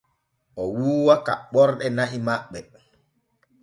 O wuuwa kaɓɓorde na'i maɓɓe.